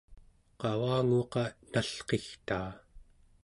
qavanguqa nalqigtaa